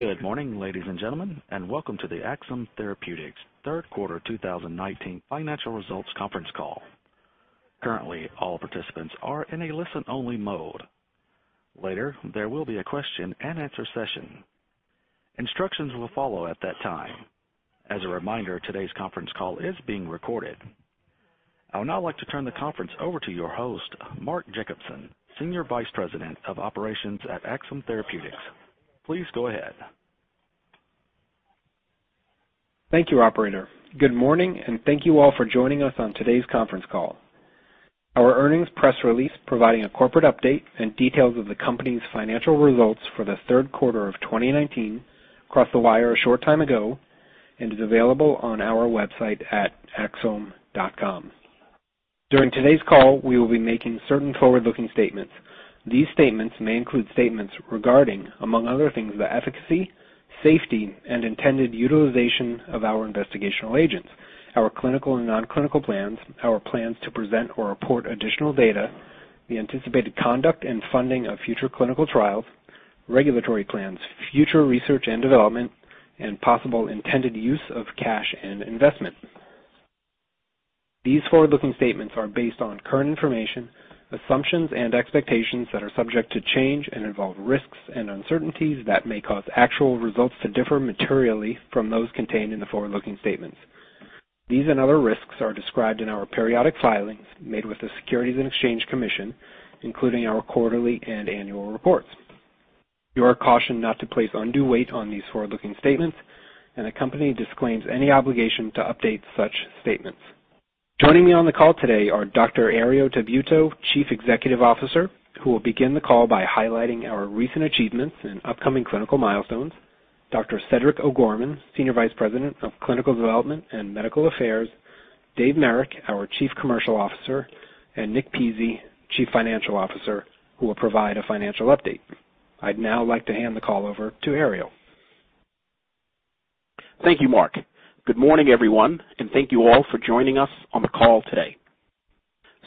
Good morning, ladies and gentlemen, and welcome to the Axsome Therapeutics third quarter 2019 financial results conference call. Currently, all participants are in a listen-only mode. Later, there will be a question and answer session. Instructions will follow at that time. As a reminder, today's conference call is being recorded. I would now like to turn the conference over to your host, Mark Jacobson, Senior Vice President of Operations at Axsome Therapeutics. Please go ahead. Thank you, operator. Good morning, and thank you all for joining us on today's conference call. Our earnings press release, providing a corporate update and details of the company's financial results for the third quarter of 2019, crossed the wire a short time ago and is available on our website at axsome.com. During today's call, we will be making certain forward-looking statements. These statements may include statements regarding, among other things, the efficacy, safety, and intended utilization of our investigational agents, our clinical and non-clinical plans, our plans to present or report additional data, the anticipated conduct and funding of future clinical trials, regulatory plans, future research and development, and possible intended use of cash and investment. These forward-looking statements are based on current information, assumptions and expectations that are subject to change and involve risks and uncertainties that may cause actual results to differ materially from those contained in the forward-looking statements. These and other risks are described in our periodic filings made with the Securities and Exchange Commission, including our quarterly and annual reports. You are cautioned not to place undue weight on these forward-looking statements, and the company disclaims any obligation to update such statements. Joining me on the call today are Dr. Herriot Tabuteau, Chief Executive Officer, who will begin the call by highlighting our recent achievements and upcoming clinical milestones, Dr. Cedric O'Gorman, Senior Vice President of Clinical Development and Medical Affairs, Dave Marek, our Chief Commercial Officer, and Nick Pizzie, Chief Financial Officer, who will provide a financial update. I'd now like to hand the call over to Herriot. Thank you, Mark. Good morning, everyone, and thank you all for joining us on the call today.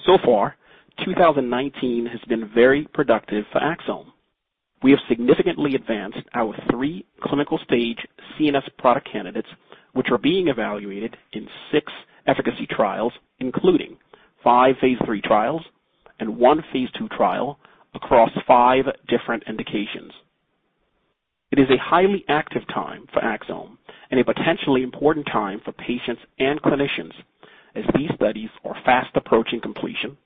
So far, 2019 has been very productive for Axsome. We have significantly advanced our 3 clinical stage CNS product candidates, which are being evaluated in six efficacy trials, including 5 phase III trials and 1 phase II trial across five different indications. It is a highly active time for Axsome and a potentially important time for patients and clinicians as these studies are fast approaching completion,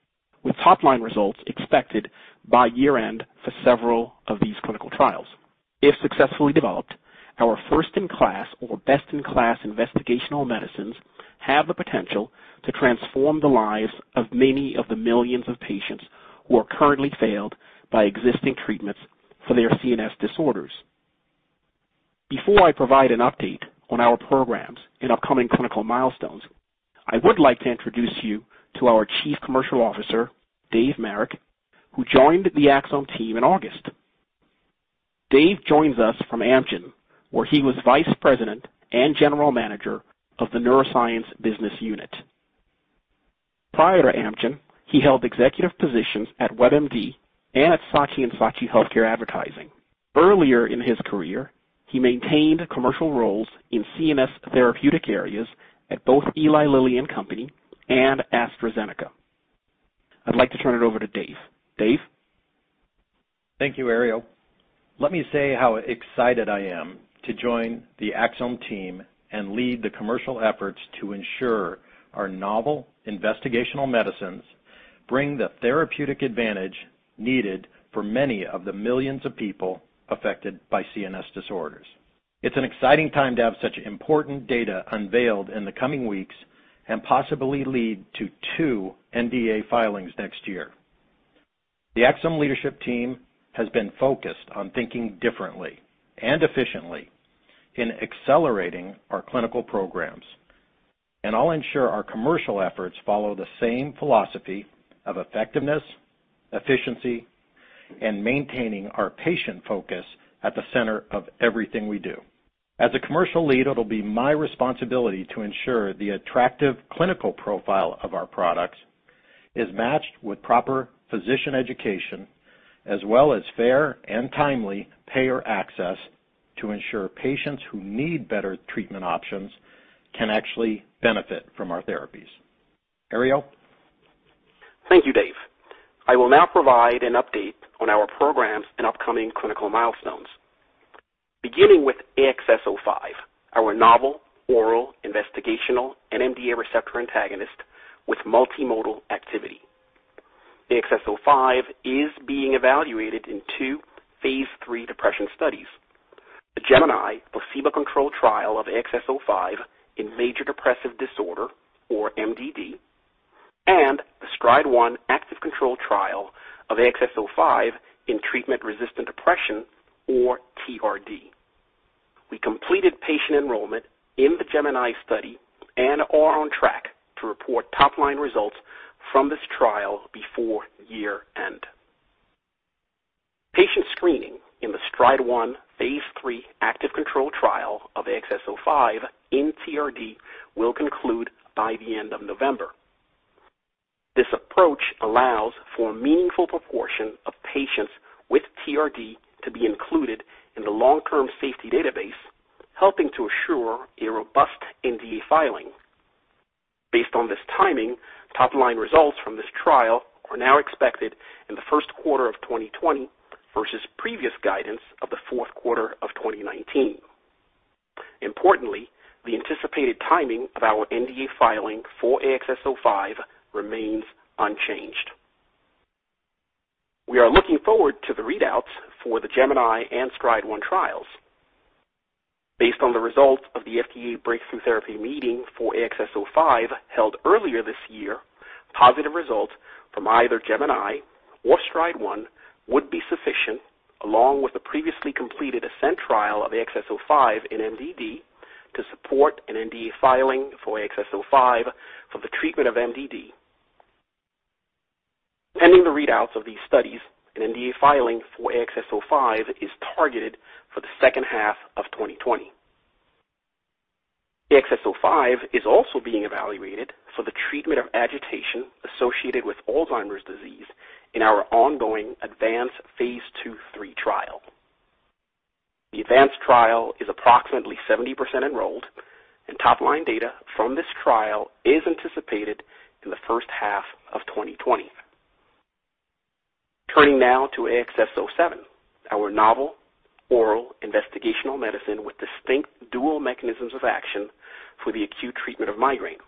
with top-line results expected by year-end for several of these clinical trials. If successfully developed, our first-in-class or best-in-class investigational medicines have the potential to transform the lives of many of the millions of patients who are currently failed by existing treatments for their CNS disorders. Before I provide an update on our programs and upcoming clinical milestones, I would like to introduce you to our Chief Commercial Officer, Dave Marek, who joined the Axsome team in August. Dave joins us from Amgen, where he was Vice President and General Manager of the neuroscience business unit. Prior to Amgen, he held executive positions at WebMD and at Saatchi & Saatchi Healthcare Advertising. Earlier in his career, he maintained commercial roles in CNS therapeutic areas at both Eli Lilly and Company and AstraZeneca. I'd like to turn it over to Dave. Dave? Thank you, Herriot. Let me say how excited I am to join the Axsome team and lead the commercial efforts to ensure our novel investigational medicines bring the therapeutic advantage needed for many of the millions of people affected by CNS disorders. It's an exciting time to have such important data unveiled in the coming weeks and possibly lead to two NDA filings next year. The Axsome leadership team has been focused on thinking differently and efficiently in accelerating our clinical programs. I'll ensure our commercial efforts follow the same philosophy of effectiveness, efficiency, and maintaining our patient focus at the center of everything we do. As a commercial lead, it'll be my responsibility to ensure the attractive clinical profile of our products is matched with proper physician education as well as fair and timely payer access to ensure patients who need better treatment options can actually benefit from our therapies. Herriot? Thank you, Dave. I will now provide an update on our programs and upcoming clinical milestones. Beginning with AXS-05, our novel oral investigational NMDA receptor antagonist with multimodal activity. AXS-05 is being evaluated in two phase III depression studies, the GEMINI placebo-controlled trial of AXS-05 in major depressive disorder, or MDD, and the STRIDE-1 active control trial of AXS-05 in treatment-resistant depression, or TRD. We completed patient enrollment in the GEMINI study and are on track to report top-line results from this trial before year-end. Patient screening in the STRIDE-1 phase III active control trial of AXS-05 in TRD will conclude by the end of November. This approach allows for a meaningful proportion of patients with TRD to be included in the long-term safety database, helping to assure a robust NDA filing. Based on this timing, top-line results from this trial are now expected in the first quarter of 2020 versus previous guidance of the fourth quarter of 2019. Importantly, the anticipated timing of our NDA filing for AXS-05 remains unchanged. We are looking forward to the readouts for the GEMINI and STRIDE-1 trials. Based on the results of the FDA breakthrough therapy meeting for AXS-05 held earlier this year, positive results from either GEMINI or STRIDE-1 would be sufficient, along with the previously completed ASCEND trial of AXS-05 in MDD to support an NDA filing for AXS-05 for the treatment of MDD. Pending the readouts of these studies, an NDA filing for AXS-05 is targeted for the second half of 2020. AXS-05 is also being evaluated for the treatment of agitation associated with Alzheimer's disease in our ongoing ADVANCE Phase II/III trial. The ADVANCE trial is approximately 70% enrolled, and top-line data from this trial is anticipated in the first half of 2020. Turning now to AXS-07, our novel oral investigational medicine with distinct dual mechanisms of action for the acute treatment of migraine.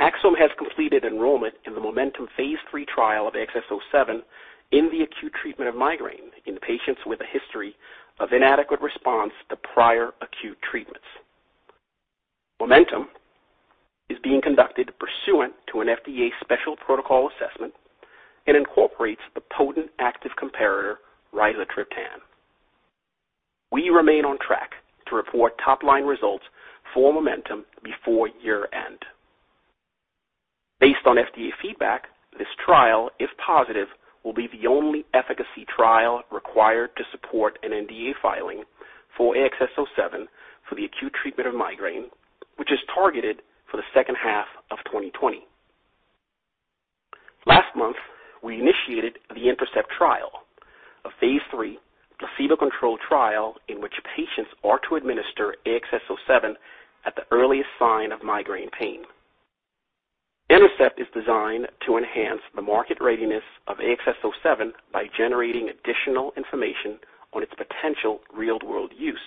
Axsome has completed enrollment in the MOMENTUM phase III trial of AXS-07 in the acute treatment of migraine in patients with a history of inadequate response to prior acute treatments. MOMENTUM is being conducted pursuant to an FDA special protocol assessment and incorporates the potent active comparator, rizatriptan. We remain on track to report top-line results for MOMENTUM before year-end. Based on FDA feedback, this trial, if positive, will be the only efficacy trial required to support an NDA filing for AXS-07 for the acute treatment of migraine, which is targeted for the second half of 2020. Last month, we initiated the INTERCEPT trial, a phase III placebo-controlled trial in which patients are to administer AXS-07 at the earliest sign of migraine pain. INTERCEPT is designed to enhance the market readiness of AXS-07 by generating additional information on its potential real-world use,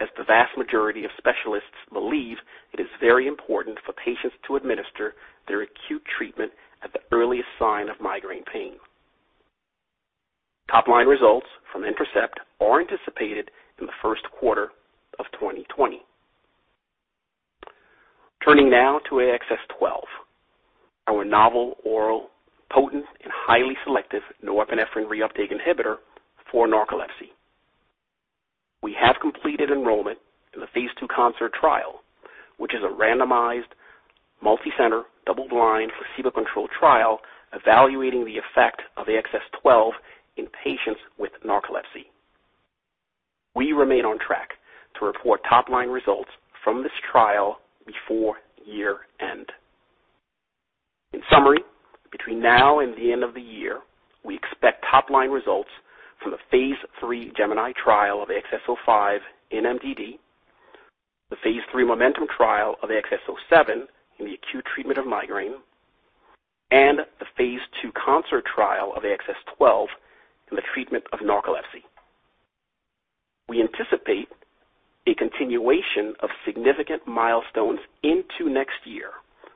as the vast majority of specialists believe it is very important for patients to administer their acute treatment at the earliest sign of migraine pain. Top-line results from INTERCEPT are anticipated in the first quarter of 2020. Turning now to AXS-12, our novel oral potent and highly selective norepinephrine reuptake inhibitor for narcolepsy. We have completed enrollment in the phase II CONCERT trial, which is a randomized, multicenter, double-blind, placebo-controlled trial evaluating the effect of AXS-12 in patients with narcolepsy. We remain on track to report top-line results from this trial before year-end. In summary, between now and the end of the year, we expect top-line results from the phase III GEMINI trial of AXS-05 in MDD, the phase III MOMENTUM trial of AXS-07 in the acute treatment of migraine, and the phase II CONCERT trial of AXS-12 in the treatment of narcolepsy. We anticipate a continuation of significant milestones into next year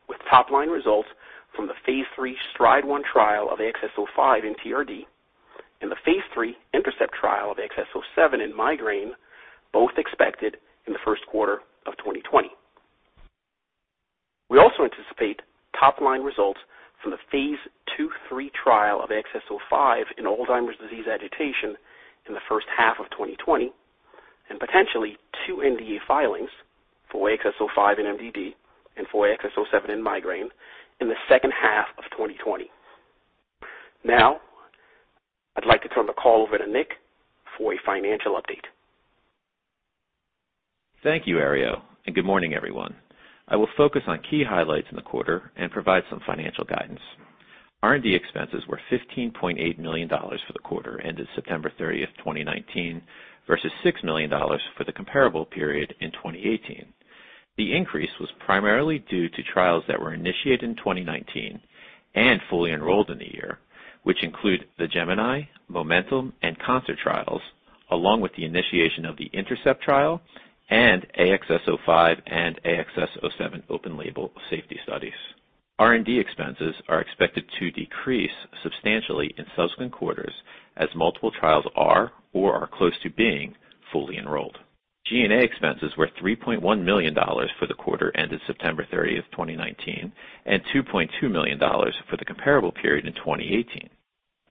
with top-line results from the phase III STRIDE-1 trial of AXS-05 in TRD and the phase III INTERCEPT trial of AXS-07 in migraine, both expected in the first quarter of 2020. We also anticipate top-line results from the phase II/III trial of AXS-05 in Alzheimer's disease agitation in the first half of 2020 and potentially two NDA filings for AXS-05 in MDD and for AXS-07 in migraine in the second half of 2020. I'd like to turn the call over to Nick for a financial update. Thank you, Herriot, and good morning, everyone. I will focus on key highlights in the quarter and provide some financial guidance. R&D expenses were $15.8 million for the quarter ended September 30th, 2019, versus $6 million for the comparable period in 2018. The increase was primarily due to trials that were initiated in 2019 and fully enrolled in the year, which include the GEMINI, MOMENTUM, and CONCERT trials, along with the initiation of the INTERCEPT trial and AXS-05 and AXS-07 open label safety studies. R&D expenses are expected to decrease substantially in subsequent quarters as multiple trials are or are close to being fully enrolled. G&A expenses were $3.1 million for the quarter ended September 30th, 2019, and $2.2 million for the comparable period in 2018.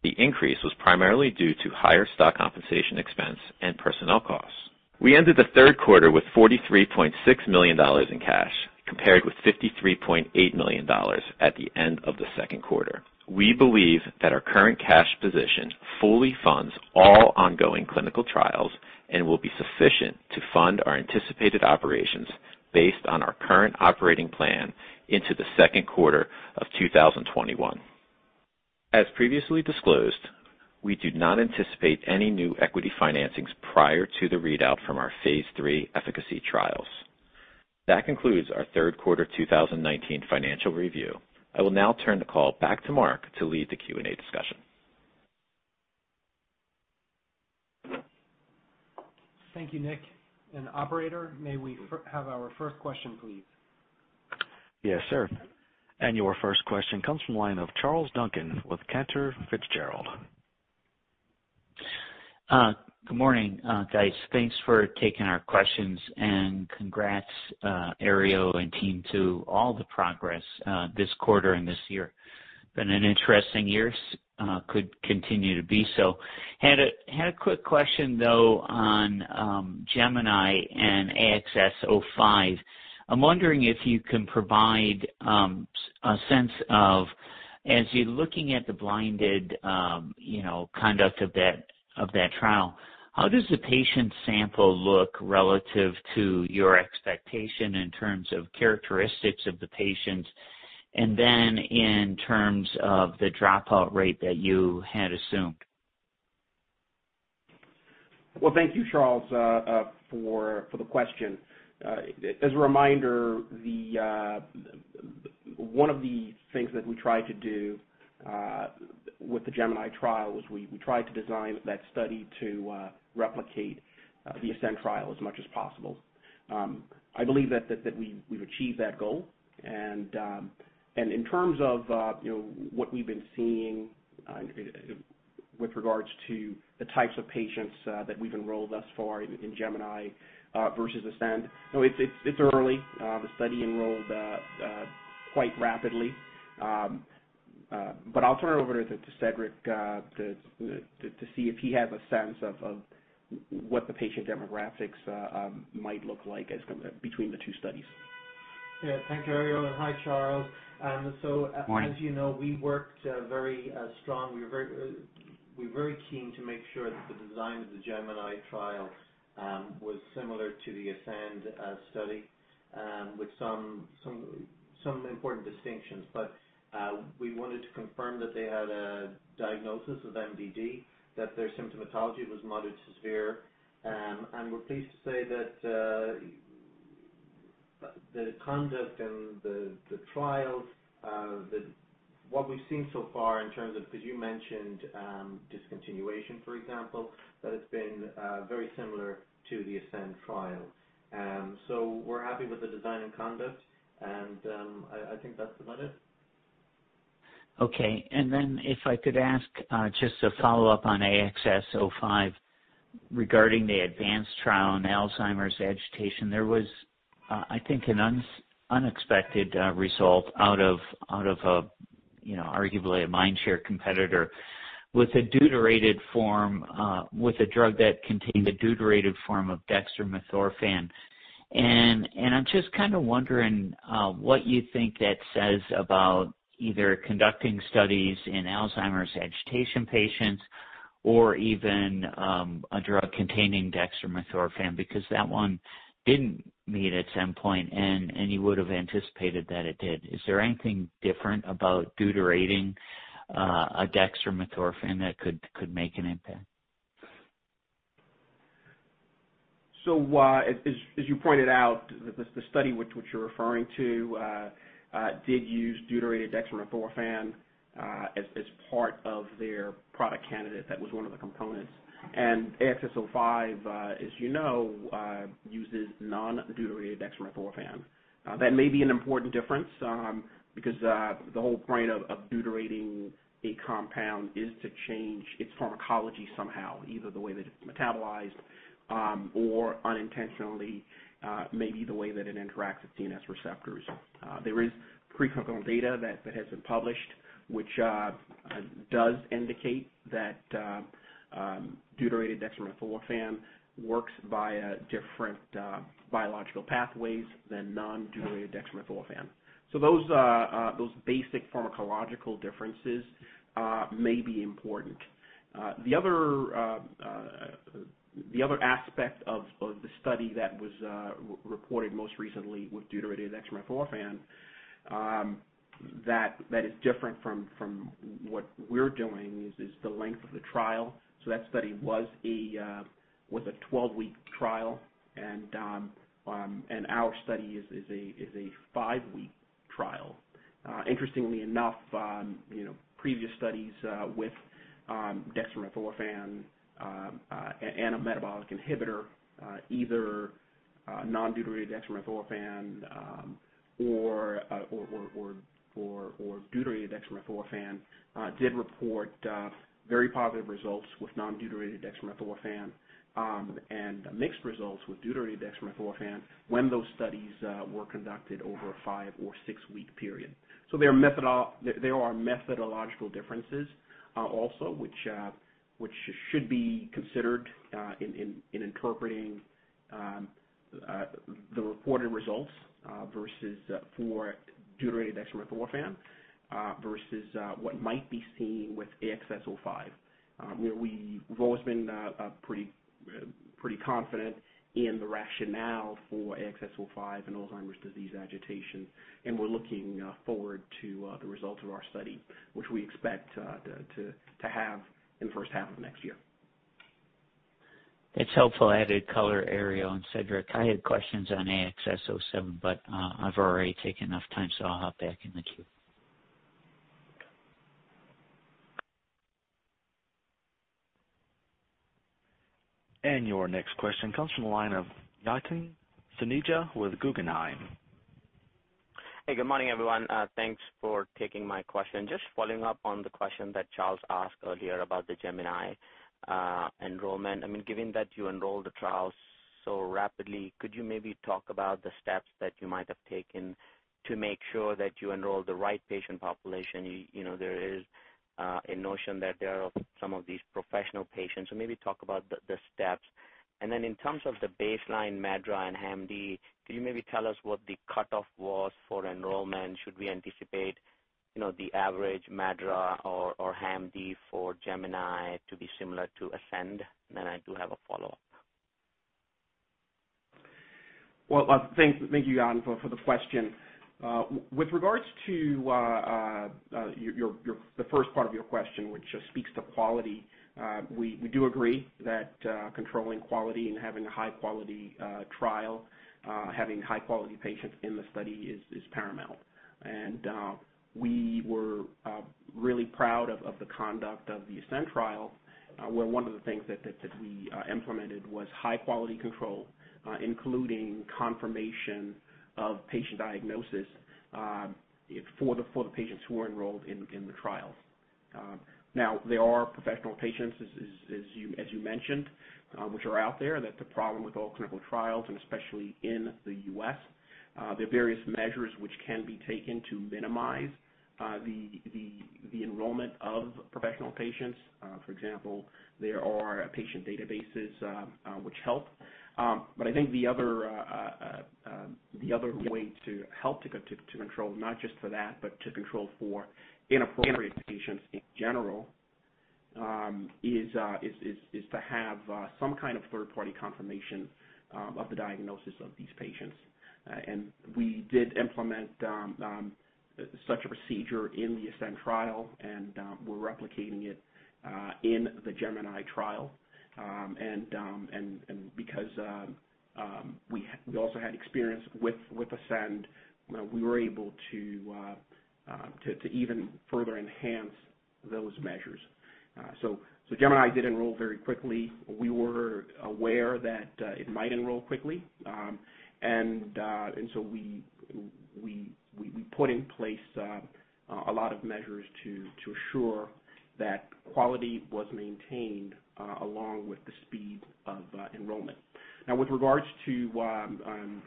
The increase was primarily due to higher stock compensation expense and personnel costs. We ended the third quarter with $43.6 million in cash, compared with $53.8 million at the end of the second quarter. We believe that our current cash position fully funds all ongoing clinical trials and will be sufficient to fund our anticipated operations based on our current operating plan into the second quarter of 2021. As previously disclosed, we do not anticipate any new equity financings prior to the readout from our phase III efficacy trials. That concludes our third quarter 2019 financial review. I will now turn the call back to Mark to lead the Q&A discussion. Thank you, Nick. Operator, may we have our first question, please? Yes, sir. Your first question comes from the line of Charles Duncan with Cantor Fitzgerald. Good morning, guys. Thanks for taking our questions and congrats, Herriot and team, to all the progress this quarter and this year. It's been an interesting year, could continue to be so. I had a quick question, though, on GEMINI and AXS-05. I'm wondering if you can provide a sense of, as you're looking at the blinded conduct of that trial, how does the patient sample look relative to your expectation in terms of characteristics of the patients, and then in terms of the dropout rate that you had assumed? Well, thank you, Charles, for the question. As a reminder, one of the things that we tried to do with the GEMINI trial was we tried to design that study to replicate the ASCEND trial as much as possible. I believe that we've achieved that goal. In terms of what we've been seeing with regards to the types of patients that we've enrolled thus far in GEMINI versus ASCEND, it's early. The study enrolled quite rapidly. I'll turn it over to Cedric to see if he has a sense of what the patient demographics might look like between the two studies. Yeah. Thank you, Herriot, and hi, Charles. Morning. As you know, we worked very strong. We're very keen to make sure that the design of the GEMINI trial was similar to the ASCEND study, with some important distinctions. We wanted to confirm that they had a diagnosis of MDD, that their symptomatology was moderate to severe, and we're pleased to say that the conduct and the trials, what we've seen so far in terms of, because you mentioned discontinuation, for example, that it's been very similar to the ASCEND trial. We're happy with the design and conduct, and I think that's about it. If I could ask just a follow-up on AXS-05 regarding the ADVANCE trial in Alzheimer's agitation. There was, I think, an unexpected result out of arguably a mind share competitor with a deuterated form, with a drug that contained a deuterated form of dextromethorphan. I'm just kind of wondering what you think that says about either conducting studies in Alzheimer's agitation patients or even a drug containing dextromethorphan, because that one didn't meet its endpoint, and you would've anticipated that it did. Is there anything different about deuterating a dextromethorphan that could make an impact? As you pointed out, the study which you're referring to did use deuterated dextromethorphan as part of their product candidate. That was one of the components. AXS-05, as you know, uses non-deuterated dextromethorphan. That may be an important difference, because the whole point of deuterating a compound is to change its pharmacology somehow, either the way that it's metabolized or unintentionally, maybe the way that it interacts with CNS receptors. There is preclinical data that has been published which does indicate that deuterated dextromethorphan works via different biological pathways than non-deuterated dextromethorphan. Those basic pharmacological differences may be important. The other aspect of the study that was reported most recently with deuterated dextromethorphan that is different from what we're doing is the length of the trial. That study was a 12-week trial, and our study is a five-week trial. Interestingly enough previous studies with dextromethorphan and a metabolic inhibitor, either non-deuterated dextromethorphan or deuterated dextromethorphan did report very positive results with non-deuterated dextromethorphan and mixed results with deuterated dextromethorphan when those studies were conducted over a five or six-week period. There are methodological differences also, which should be considered in interpreting the reported results for deuterated dextromethorphan versus what might be seen with AXS-05. We've always been pretty confident in the rationale for AXS-05 in Alzheimer's disease agitation, we're looking forward to the results of our study, which we expect to have in the first half of next year. It's helpful added color, Herriot and Cedric. I had questions on AXS-07. I've already taken enough time. I'll hop back in the queue. Your next question comes from the line of Yatin Suneja with Guggenheim. Hey. Good morning, everyone. Thanks for taking my question. Following up on the question that Charles asked earlier about the GEMINI enrollment. Given that you enrolled the trials so rapidly, could you maybe talk about the steps that you might have taken to make sure that you enroll the right patient population? There is a notion that there are some of these professional patients. Maybe talk about the steps. In terms of the baseline MADRS and HAM-D, could you maybe tell us what the cutoff was for enrollment? Should we anticipate the average MADRS or HAM-D for GEMINI to be similar to ASCEND? I do have a follow-up. Well, thank you, Yatin, for the question. With regards to the first part of your question, which speaks to quality, we do agree that controlling quality and having a high-quality trial, having high-quality patients in the study is paramount. We were really proud of the conduct of the ASCEND trial, where one of the things that we implemented was high-quality control, including confirmation of patient diagnosis for the patients who were enrolled in the trial. Now, there are professional patients, as you mentioned, which are out there. That's a problem with all clinical trials, and especially in the U.S. There are various measures which can be taken to minimize the enrollment of professional patients. For example, there are patient databases which help. I think the other way to help to control, not just for that, but to control for inappropriate patients in general, is to have some kind of third-party confirmation of the diagnosis of these patients. We did implement such a procedure in the ASCEND trial, and we're replicating it in the GEMINI trial. Because we also had experience with ASCEND, we were able to even further enhance those measures. GEMINI did enroll very quickly. We were aware that it might enroll quickly. We put in place a lot of measures to assure that quality was maintained along with the speed of enrollment. Now, with regards to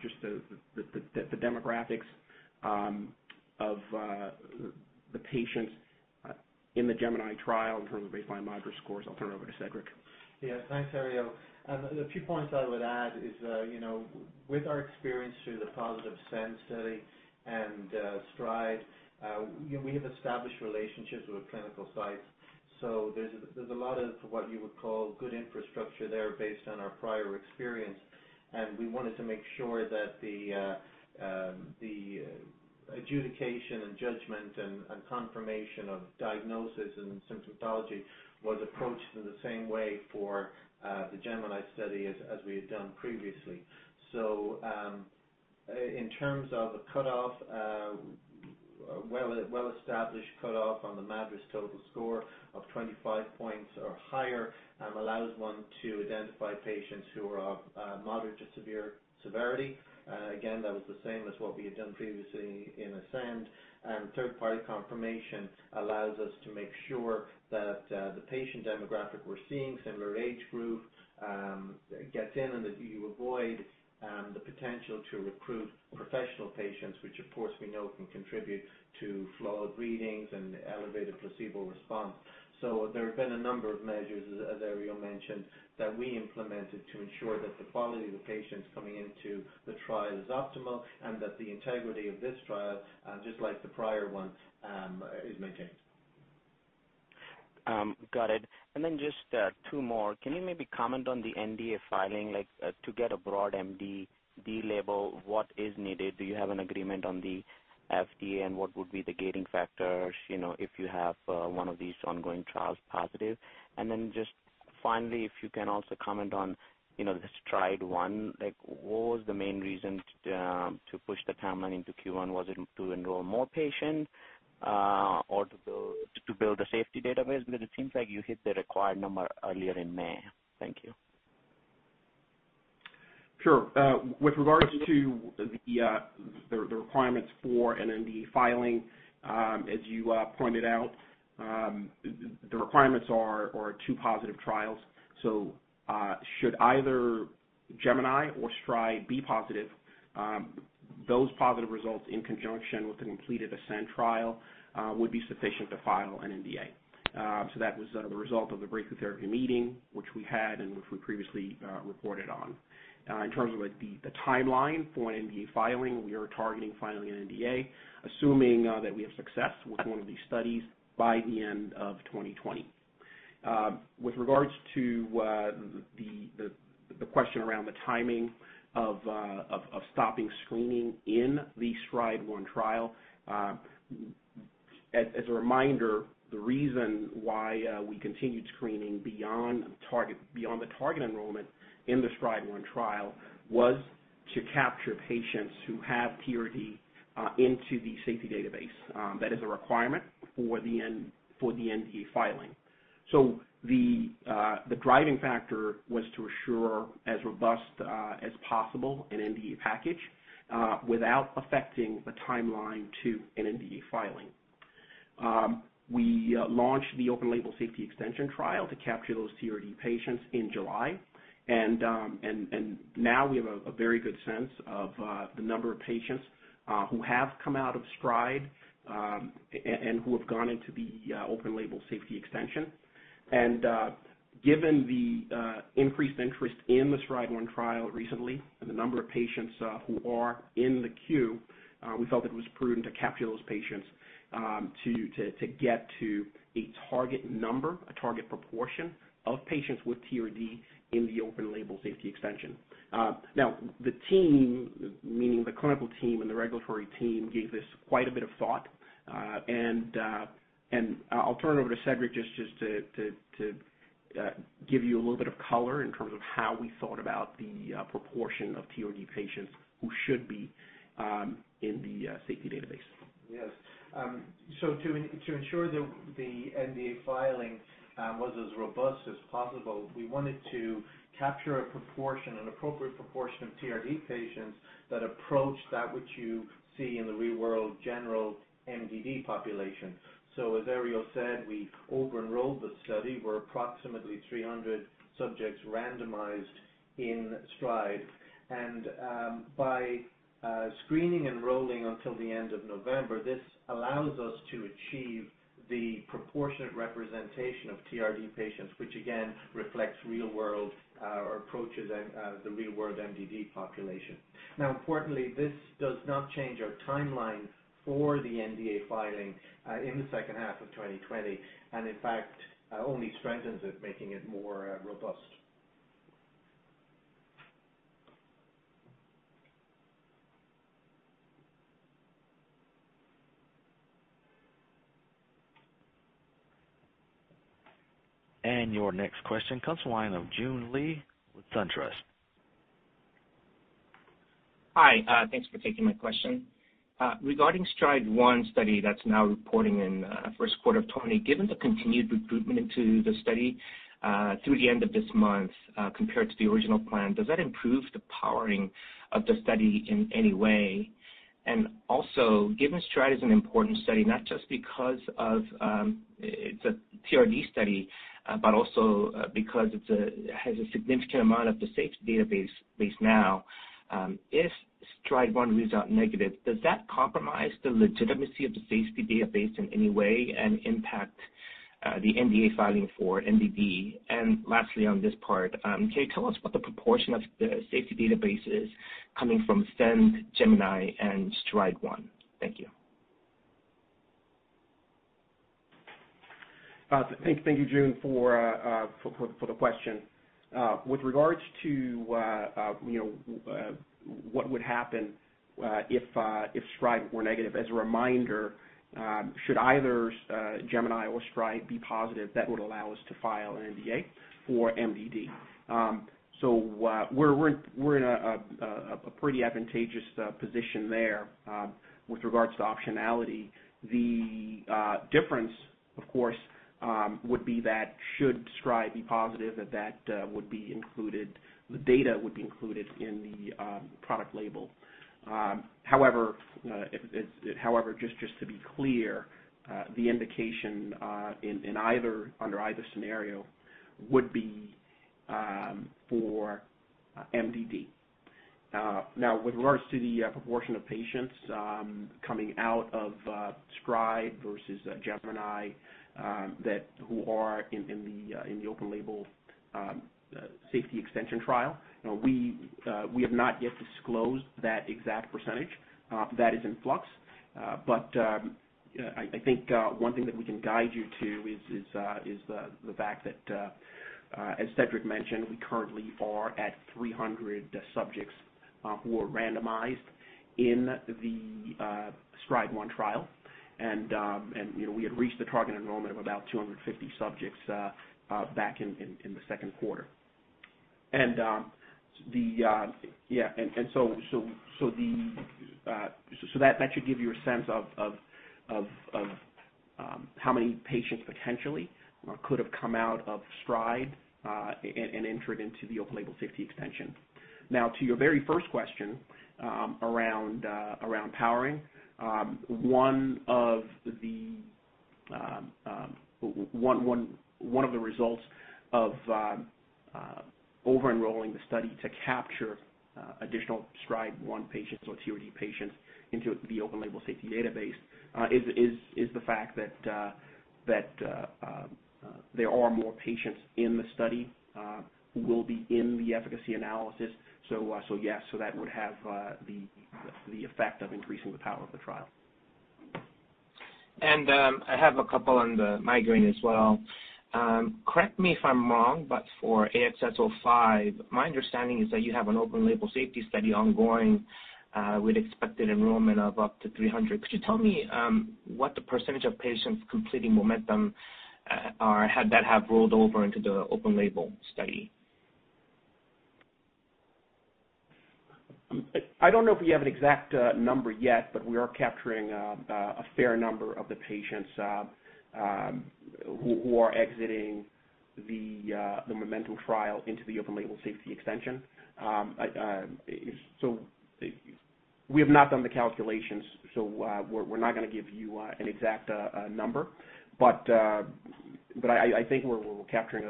just the demographics of the patients in the GEMINI trial in terms of baseline MADRS scores, I'll turn it over to Cedric. Yeah. Thanks, Herriot. The few points I would add is, with our experience through the positive ASCEND study and STRIDE, we have established relationships with clinical sites. There's a lot of, what you would call, good infrastructure there based on our prior experience, and we wanted to make sure that the adjudication and judgment and confirmation of diagnosis and symptomatology was approached in the same way for the GEMINI study as we had done previously. In terms of a cutoff, a well-established cutoff on the MADRS total score of 25 points or higher allows one to identify patients who are of moderate to severe severity. Again, that was the same as what we had done previously in ASCEND. Third-party confirmation allows us to make sure that the patient demographic we're seeing, similar age group, gets in and that you avoid the potential to recruit professional patients, which, of course, we know can contribute to flawed readings and elevated placebo response. There have been a number of measures, as Herriot mentioned, that we implemented to ensure that the quality of the patients coming into the trial is optimal and that the integrity of this trial, just like the prior ones, is maintained. Got it. Just two more. Can you maybe comment on the NDA filing? To get a broad MDD label, what is needed? Do you have an agreement on the FDA, and what would be the gating factors if you have one of these ongoing trials positive? Just finally, if you can also comment on the STRIDE-1. What was the main reason to push the timeline into Q1? Was it to enroll more patients or to build a safety database? Because it seems like you hit the required number earlier in May. Thank you. Sure. With regards to the requirements for an NDA filing, as you pointed out, the requirements are two positive trials. Should either GEMINI or STRIDE be positive, those positive results in conjunction with the completed ASCEND trial would be sufficient to file an NDA. That was the result of the breakthrough therapy meeting which we had and which we previously reported on. In terms of the timeline for an NDA filing, we are targeting filing an NDA, assuming that we have success with one of these studies by the end of 2020. With regards to the question around the timing of stopping screening in the STRIDE-1 trial. As a reminder, the reason why we continued screening beyond the target enrollment in the STRIDE-1 trial was to capture patients who have TRD into the safety database. That is a requirement for the NDA filing. The driving factor was to assure as robust as possible an NDA package without affecting the timeline to an NDA filing. We launched the open label safety extension trial to capture those TRD patients in July. Now we have a very good sense of the number of patients who have come out of STRIDE, and who have gone into the open label safety extension. Given the increased interest in the STRIDE-1 trial recently, and the number of patients who are in the queue, we felt it was prudent to capture those patients to get to a target number, a target proportion of patients with TRD in the open label safety extension. The team, meaning the clinical team and the regulatory team, gave this quite a bit of thought. I'll turn it over to Cedric just to give you a little bit of color in terms of how we thought about the proportion of TRD patients who should be in the safety database. Yes. To ensure that the NDA filing was as robust as possible, we wanted to capture an appropriate proportion of TRD patients that approach that which you see in the real world general MDD population. As Herriot said, we over-enrolled the study, where approximately 300 subjects randomized in STRIDE. By screening and enrolling until the end of November, this allows us to achieve the proportionate representation of TRD patients, which again, reflects real world or approaches the real world MDD population. Now importantly, this does not change our timeline for the NDA filing in the second half of 2020. In fact, only strengthens it, making it more robust. Your next question comes the line of Joon Lee with SunTrust. Hi. Thanks for taking my question. Regarding STRIDE-1 study that's now reporting in first quarter of 2020. Given the continued recruitment into the study through the end of this month compared to the original plan, does that improve the powering of the study in any way? Also, given STRIDE is an important study, not just because it's a TRD study, but also because it has a significant amount of the safety database now. If STRIDE-1 reads out negative, does that compromise the legitimacy of the safety database in any way and impact the NDA filing for MDD? Lastly on this part, can you tell us what the proportion of the safety database is coming from ASCEND, GEMINI, and STRIDE-1? Thank you. Thank you, Joon, for the question. With regards to what would happen if STRIDE were negative, as a reminder, should either GEMINI or STRIDE be positive, that would allow us to file an NDA for MDD. We're in a pretty advantageous position there with regards to optionality. The difference, of course, would be that should STRIDE be positive, the data would be included in the product label. However, just to be clear, the indication under either scenario would be for MDD. With regards to the proportion of patients coming out of STRIDE versus GEMINI who are in the open label safety extension trial. We have not yet disclosed that exact percentage. That is in flux. I think one thing that we can guide you to is the fact that, as Cedric mentioned, we currently are at 300 subjects who are randomized in the STRIDE-1 trial. We had reached the target enrollment of about 250 subjects back in the second quarter. That should give you a sense of how many patients potentially could have come out of STRIDE-1 and entered into the open label safety extension. To your very first question around powering. One of the results of over-enrolling the study to capture additional STRIDE-1 patients or TRD patients into the open label safety database is the fact that there are more patients in the study who will be in the efficacy analysis. Yes, that would have the effect of increasing the power of the trial. I have a couple on the migraine as well. Correct me if I'm wrong, for AXS-05, my understanding is that you have an open-label safety study ongoing with expected enrollment of up to 300. Could you tell me what the percentage of patients completing MOMENTUM that have rolled over into the open-label study? I don't know if we have an exact number yet, we are capturing a fair number of the patients who are exiting the MOMENTUM trial into the open-label safety extension. We have not done the calculations, so we're not going to give you an exact number. I think we're capturing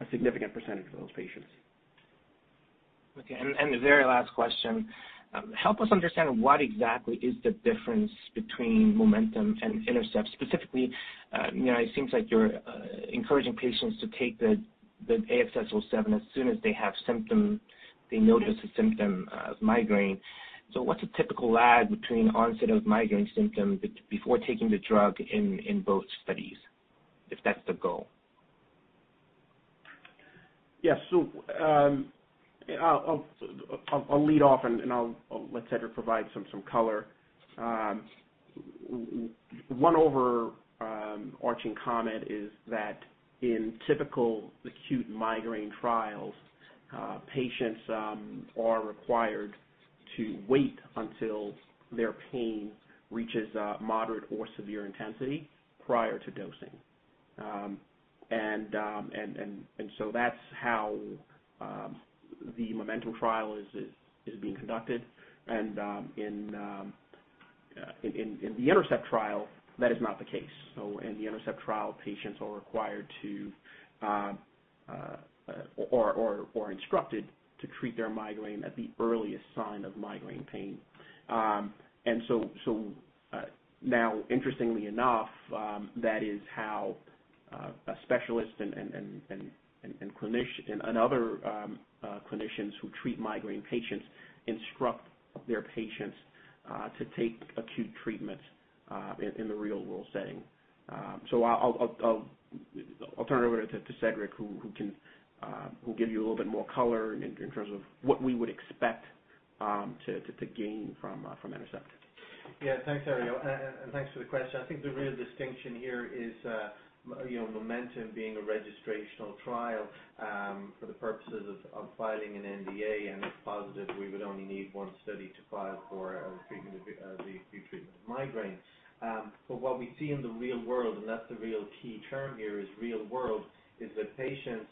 a significant percentage of those patients. Okay. The very last question, help us understand what exactly is the difference between MOMENTUM and INTERCEPT specifically? It seems like you're encouraging patients to take the AXS-07 as soon as they notice a symptom of migraine. What's a typical lag between onset of migraine symptoms before taking the drug in both studies, if that's the goal? Yes. I'll lead off and I'll let Cedric provide some color. One overarching comment is that in typical acute migraine trials, patients are required to wait until their pain reaches moderate or severe intensity prior to dosing. That's how the MOMENTUM trial is being conducted and in the INTERCEPT trial, that is not the case. In the INTERCEPT trial, patients are required to or are instructed to treat their migraine at the earliest sign of migraine pain. Interestingly enough, that is how a specialist and other clinicians who treat migraine patients instruct their patients to take acute treatments in the real-world setting. I'll turn it over to Cedric who'll give you a little bit more color in terms of what we would expect to gain from INTERCEPT. Yeah. Thanks, Herriot. Thanks for the question. I think the real distinction here is MOMENTUM being a registrational trial for the purposes of filing an NDA. If positive, we would only need one study to file for the treatment of migraine. What we see in the real world, and that's the real key term here is real world, is that patients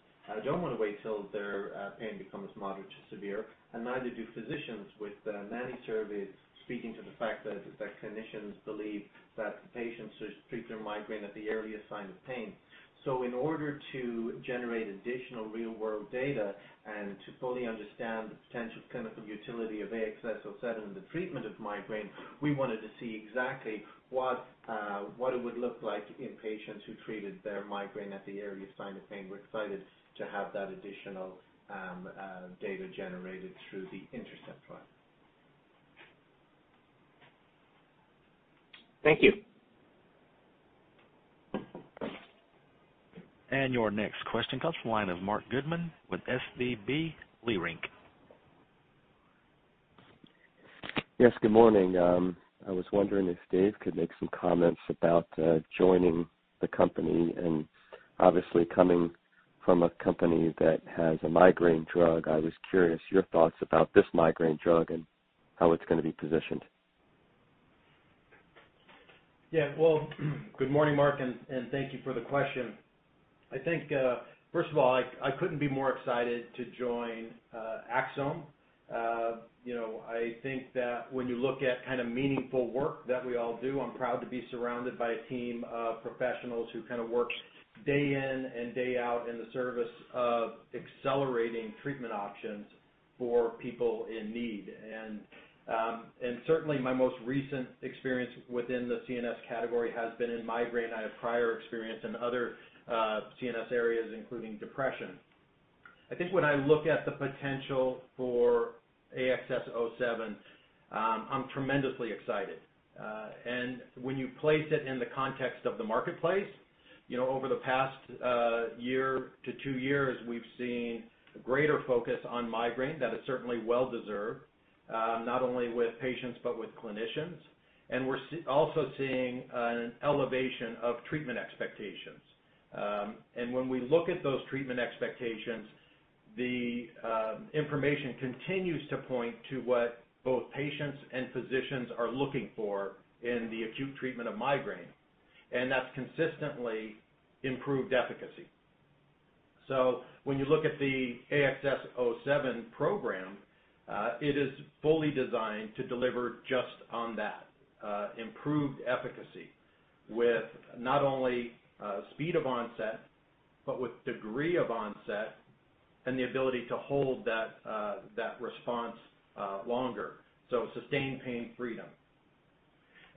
don't want to wait till their pain becomes moderate to severe. Neither do physicians with many surveys speaking to the fact that clinicians believe that patients should treat their migraine at the earliest sign of pain. In order to generate additional real-world data and to fully understand the potential clinical utility of AXS-07 in the treatment of migraine, we wanted to see exactly what it would look like in patients who treated their migraine at the earliest sign of pain. We're excited to have that additional data generated through the INTERCEPT trial. Thank you. Your next question comes the line of Marc Goodman with SVB Leerink. Yes, good morning. I was wondering if Dave could make some comments about joining the company and obviously coming from a company that has a migraine drug. I was curious your thoughts about this migraine drug and how it's going to be positioned. Yeah, well, good morning, Marc, and thank you for the question. I think, first of all, I couldn't be more excited to join Axsome Therapeutics. I think that when you look at kind of meaningful work that we all do, I'm proud to be surrounded by a team of professionals who kind of work day in and day out in the service of accelerating treatment options for people in need. Certainly my most recent experience within the CNS category has been in migraine. I have prior experience in other CNS areas, including depression. I think when I look at the potential for AXS-07, I'm tremendously excited. When you place it in the context of the marketplace, over the past year to two years, we've seen a greater focus on migraine that is certainly well-deserved, not only with patients but with clinicians. We're also seeing an elevation of treatment expectations. When we look at those treatment expectations, the information continues to point to what both patients and physicians are looking for in the acute treatment of migraine, and that's consistently improved efficacy. When you look at the AXS-07 program, it is fully designed to deliver just on that, improved efficacy with not only speed of onset, but with degree of onset and the ability to hold that response longer. Sustained pain freedom.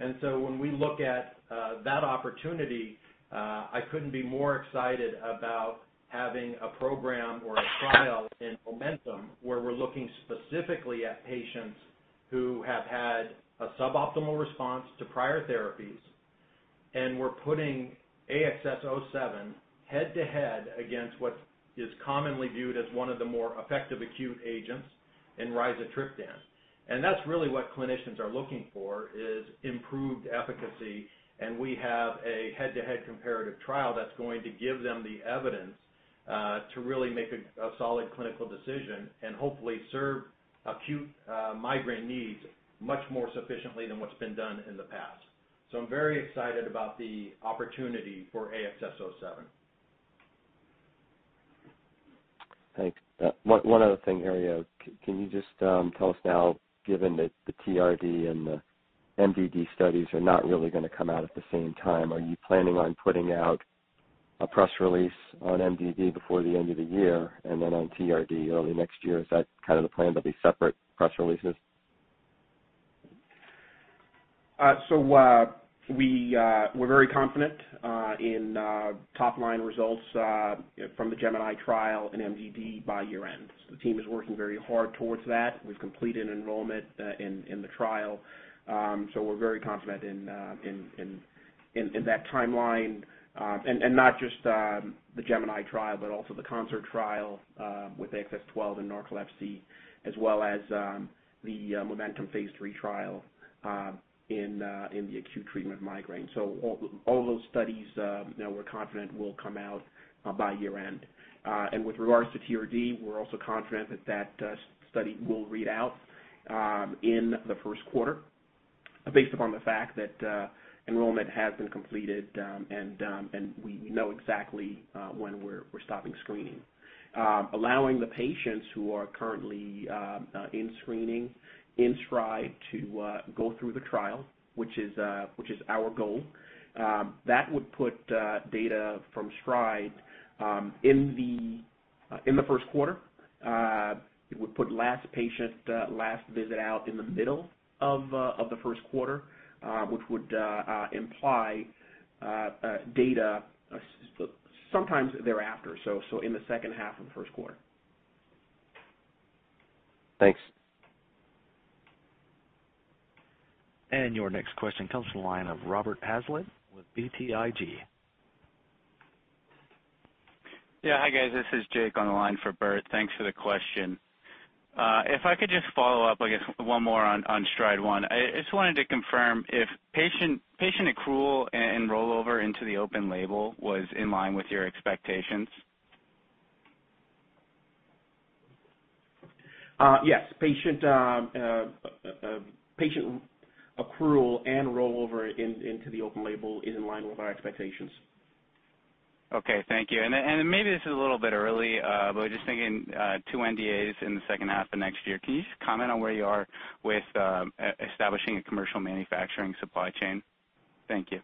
When we look at that opportunity, I couldn't be more excited about having a program or a trial in Momentum where we're looking specifically at patients who have had a suboptimal response to prior therapies, and we're putting AXS-07 head-to-head against what is commonly viewed as one of the more effective acute agents in rizatriptan. That's really what clinicians are looking for, is improved efficacy, and we have a head-to-head comparative trial that's going to give them the evidence to really make a solid clinical decision and hopefully serve acute migraine needs much more sufficiently than what's been done in the past. I'm very excited about the opportunity for AXS-07. Thanks. One other thing, Herriot. Can you just tell us now, given that the TRD and the MDD studies are not really going to come out at the same time, are you planning on putting out a press release on MDD before the end of the year and then on TRD early next year? Is that the plan? There will be separate press releases? We're very confident in top-line results from the GEMINI trial in MDD by year-end. The team is working very hard towards that. We've completed enrollment in the trial. We're very confident in that timeline. Not just the GEMINI trial, but also the CONCERT trial with AXS-12 in narcolepsy as well as the MOMENTUM phase III trial in the acute treatment of migraine. All those studies, we're confident will come out by year-end. With regards to TRD, we're also confident that that study will read out in the first quarter based upon the fact that enrollment has been completed and we know exactly when we're stopping screening. Allowing the patients who are currently in screening in STRIDE to go through the trial, which is our goal. That would put data from STRIDE in the first quarter. It would put last patient, last visit out in the middle of the first quarter, which would imply data sometimes thereafter. In the second half of the first quarter. Thanks. Your next question comes from the line of Robert Pasley with BTIG. Yeah. Hi, guys. This is Jake on the line for Bert. Thanks for the question. If I could just follow up, I guess, one more on STRIDE-1. I just wanted to confirm if patient accrual and rollover into the open label was in line with your expectations. Yes. Patient accrual and rollover into the open label is in line with our expectations. Okay. Thank you. Maybe this is a little bit early, but just thinking two NDAs in the second half of next year. Can you just comment on where you are with establishing a commercial manufacturing supply chain? Thank you.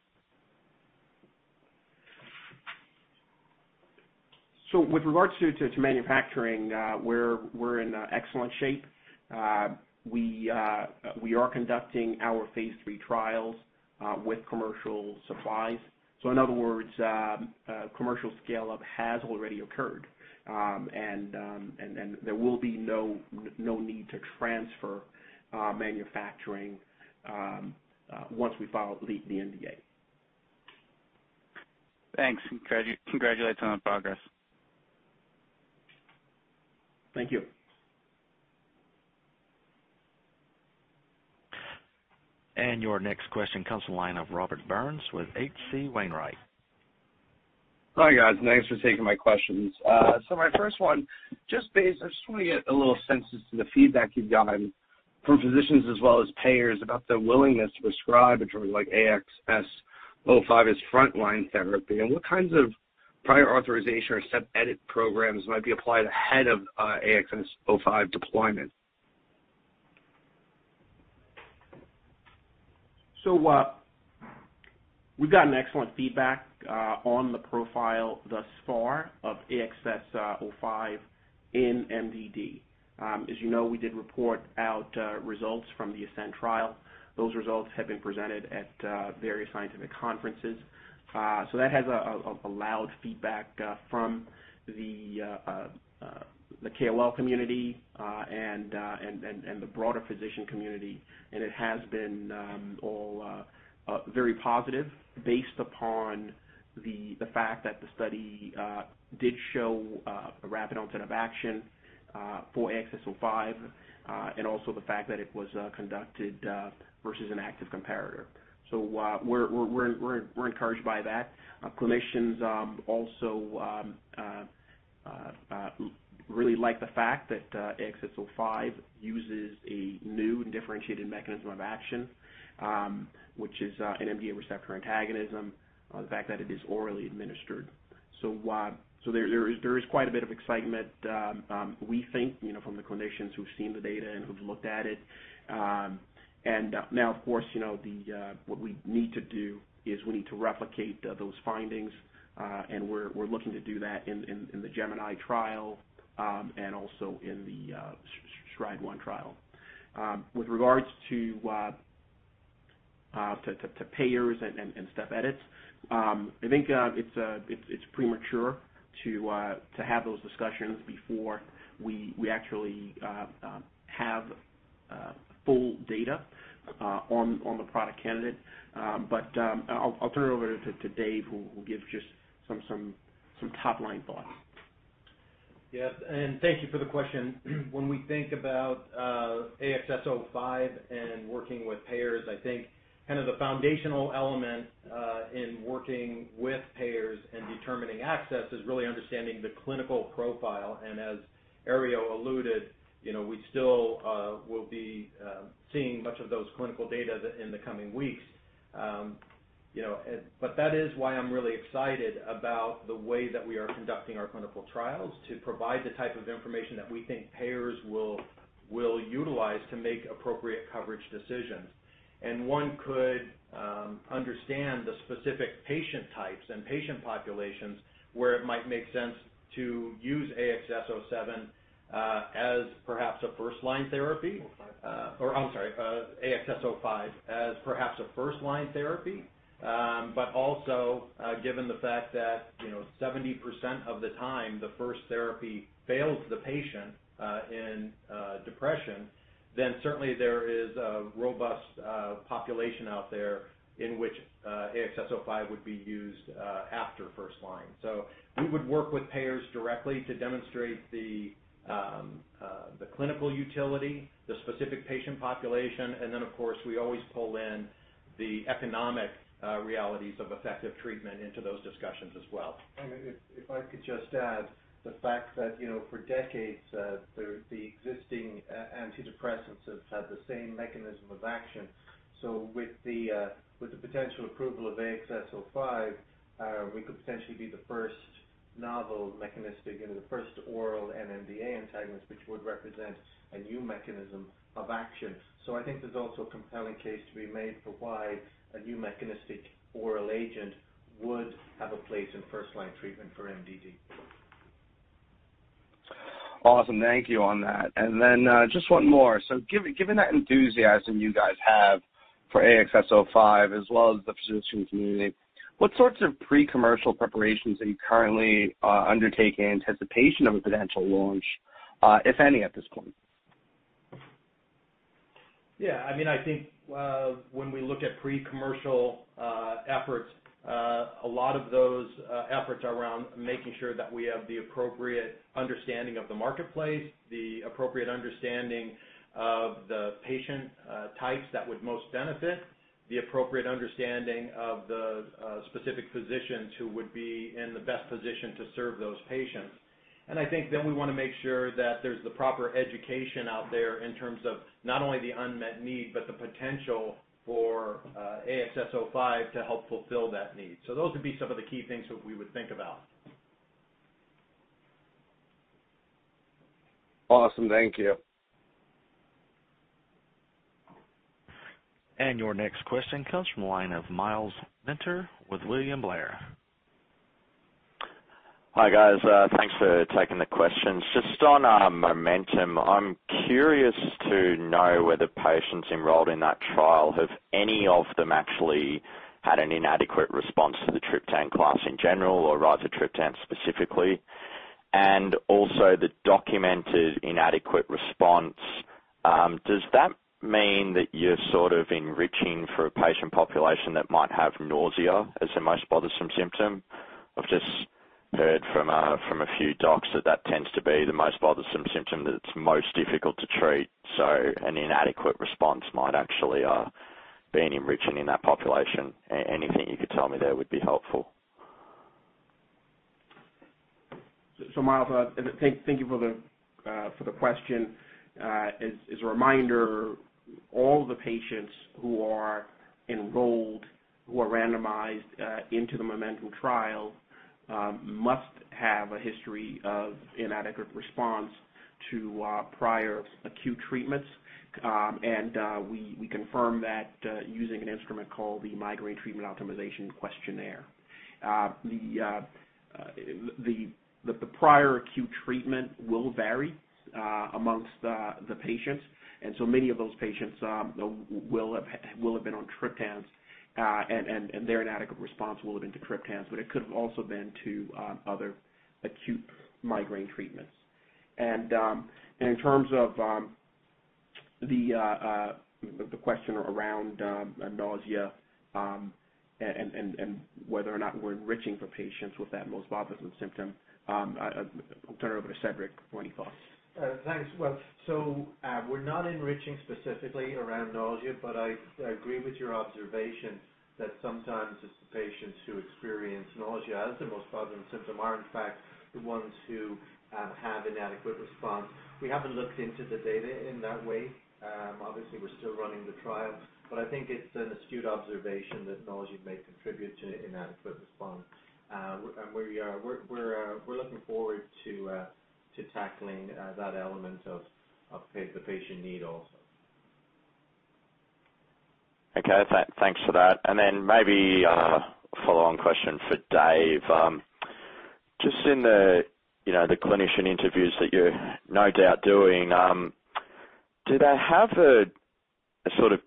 With regards to manufacturing, we're in excellent shape. We are conducting our phase III trials with commercial supplies. In other words, commercial scale-up has already occurred. There will be no need to transfer manufacturing once we file the NDA. Thanks. Congratulations on the progress. Thank you. Your next question comes to the line of Robert Burns with H.C. Wainwright. Hi, guys. Thanks for taking my questions. My first one, I just want to get a little sense as to the feedback you've gotten from physicians as well as payers about their willingness to prescribe a drug like AXS-05 as frontline therapy, and what kinds of prior authorization or step edit programs might be applied ahead of AXS-05 deployment? We've gotten excellent feedback on the profile thus far of AXS-05 in MDD. As you know, we did report out results from the ASCEND trial. Those results have been presented at various scientific conferences. That has allowed feedback from the KOL community and the broader physician community. It has been all very positive based upon the fact that the study did show a rapid onset of action for AXS-05, and also the fact that it was conducted versus an active comparator. We're encouraged by that. Clinicians also really like the fact that AXS-05 uses a new and differentiated mechanism of action, which is an NMDA receptor antagonism, the fact that it is orally administered. There is quite a bit of excitement, we think, from the clinicians who've seen the data and who've looked at it. Now, of course, what we need to do is we need to replicate those findings. We're looking to do that in the GEMINI trial, and also in the STRIDE-1 trial. With regards to payers and step edits, I think it's premature to have those discussions before we actually have full data on the product candidate. I'll turn it over to Dave, who will give just some top-line thoughts. Yes, and thank you for the question. When we think about AXS-05 and working with payers, I think kind of the foundational element in working with payers and determining access is really understanding the clinical profile. As Herriot alluded, we still will be seeing much of those clinical data in the coming weeks. That is why I'm really excited about the way that we are conducting our clinical trials to provide the type of information that we think payers will utilize to make appropriate coverage decisions. One could understand the specific patient types and patient populations where it might make sense to use AXS-07 as perhaps a first-line therapy. 05. I'm sorry, AXS-05 as perhaps a first-line therapy. Also, given the fact that 70% of the time, the first therapy fails the patient in depression, then certainly there is a robust population out there in which AXS-05 would be used after first line. We would work with payers directly to demonstrate the clinical utility, the specific patient population, and then, of course, we always pull in the economic realities of effective treatment into those discussions as well. If I could just add the fact that, for decades, the existing antidepressants have had the same mechanism of action. With the potential approval of AXS-05, we could potentially be the first novel mechanistic and the first oral NMDA antagonist, which would represent a new mechanism of action. I think there's also a compelling case to be made for why a new mechanistic oral agent would have a place in first-line treatment for MDD. Awesome. Thank you on that. Just one more. Given that enthusiasm you guys have for AXS-05 as well as the physician community, what sorts of pre-commercial preparations are you currently undertaking in anticipation of a potential launch, if any, at this point? I think when we look at pre-commercial efforts, a lot of those efforts are around making sure that we have the appropriate understanding of the marketplace, the appropriate understanding of the patient types that would most benefit, the appropriate understanding of the specific physicians who would be in the best position to serve those patients. I think then we want to make sure that there's the proper education out there in terms of not only the unmet need, but the potential for AXS-05 to help fulfill that need. Those would be some of the key things that we would think about. Awesome. Thank you. Your next question comes from the line of Myles Minter with William Blair. Hi, guys. Thanks for taking the questions. Just on MOMENTUM, I'm curious to know whether patients enrolled in that trial, have any of them actually had an inadequate response to the triptan class in general or rizatriptan specifically? Also the documented inadequate response, does that mean that you're sort of enriching for a patient population that might have nausea as their most bothersome symptom? I've just heard from a few docs that tends to be the most bothersome symptom that's most difficult to treat. An inadequate response might actually be an enriching in that population. Anything you could tell me there would be helpful. Myles, thank you for the question. As a reminder, all the patients who are enrolled, who are randomized into the MOMENTUM trial, must have a history of inadequate response to prior acute treatments. We confirm that using an instrument called the Migraine Treatment Optimization Questionnaire. The prior acute treatment will vary amongst the patients, and so many of those patients will have been on triptans, and their inadequate response will have been to triptans, but it could have also been to other acute migraine treatments. In terms of the question around nausea and whether or not we're enriching for patients with that most bothersome symptom, I'll turn it over to Cedric for any thoughts. Thanks. Well, we're not enriching specifically around nausea, but I agree with your observation that sometimes it's the patients who experience nausea as the most bothersome symptom are in fact the ones who have inadequate response. We haven't looked into the data in that way. Obviously, we're still running the trial, but I think it's an astute observation that nausea may contribute to inadequate response. We're looking forward to tackling that element of the patient need also. Okay. Thanks for that. Maybe a follow-on question for Dave. Just in the clinician interviews that you're no doubt doing. Do they have a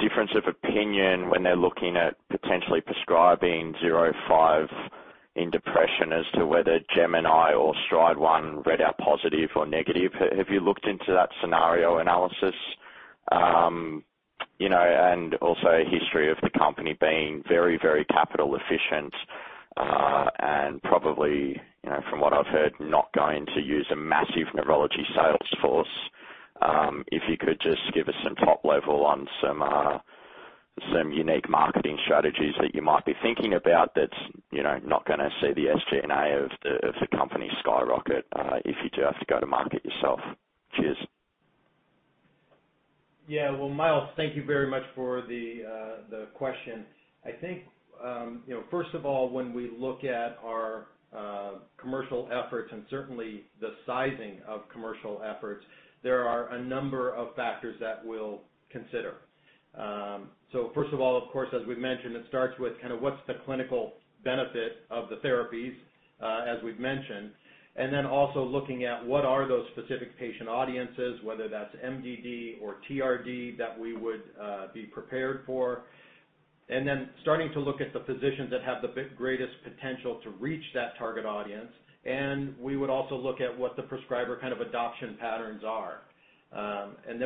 difference of opinion when they're looking at potentially prescribing AXS-05 in depression as to whether GEMINI or STRIDE-1 read out positive or negative? Have you looked into that scenario analysis? Also history of the company being very capital efficient. Probably, from what I've heard, not going to use a massive neurology sales force. If you could just give us some top level on some unique marketing strategies that you might be thinking about that's not going to see the SG&A of the company skyrocket if you do have to go to market yourself. Cheers. Yeah. Well, Myles, thank you very much for the question. I think, first of all, when we look at our commercial efforts, and certainly the sizing of commercial efforts, there are a number of factors that we'll consider. First of all, of course, as we've mentioned, it starts with what's the clinical benefit of the therapies, as we've mentioned, and then also looking at what are those specific patient audiences, whether that's MDD or TRD, that we would be prepared for. Starting to look at the physicians that have the greatest potential to reach that target audience, and we would also look at what the prescriber adoption patterns are.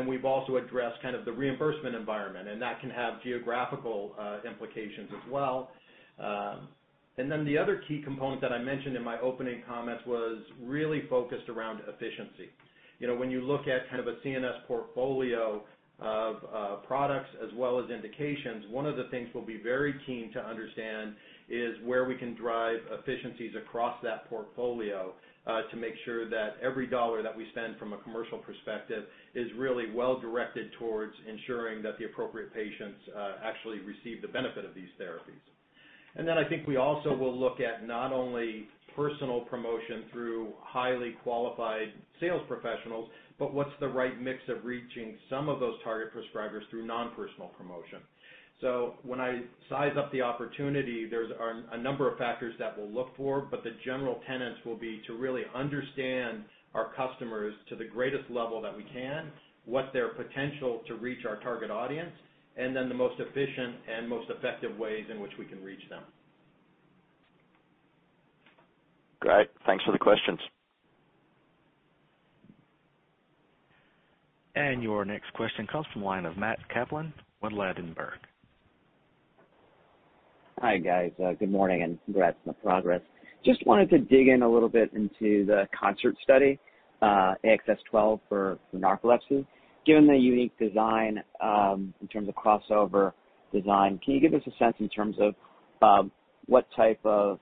We've also addressed the reimbursement environment, and that can have geographical implications as well. The other key component that I mentioned in my opening comments was really focused around efficiency. When you look at a CNS portfolio of products as well as indications, one of the things we'll be very keen to understand is where we can drive efficiencies across that portfolio to make sure that every dollar that we spend from a commercial perspective is really well-directed towards ensuring that the appropriate patients actually receive the benefit of these therapies. I think we also will look at not only personal promotion through highly qualified sales professionals, but what's the right mix of reaching some of those target prescribers through non-personal promotion. When I size up the opportunity, there's a number of factors that we'll look for, but the general tenets will be to really understand our customers to the greatest level that we can, what their potential to reach our target audience, and then the most efficient and most effective ways in which we can reach them. Great. Thanks for the questions. Your next question comes from the line of Matt Kaplan with Ladenburg. Hi, guys. Good morning, and congrats on the progress. Just wanted to dig in a little bit into the CONCERT study, AXS-12 for narcolepsy. Given the unique design, in terms of crossover design, can you give us a sense in terms of what type of